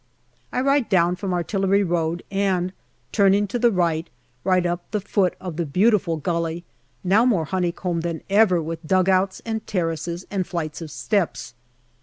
I ride down from Artillery Road, and turning to the right, ride up the foot of the beautiful gully, now more honeycombed than ever with dugouts and terraces and flights of steps.